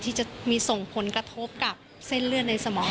ที่จะมีส่งผลกระทบกับเส้นเลือดในสมอง